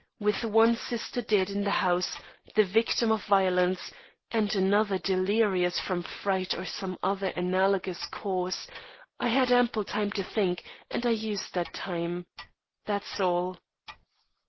With one sister dead in the house, the victim of violence, and another delirious from fright or some other analogous cause, I had ample time to think and I used that time. That's all."